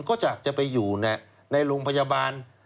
ก็จากจะไปอยู่ในโรงพยาบาล